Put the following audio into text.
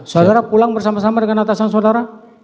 saudara pulang bersama sama dengan atasan saudara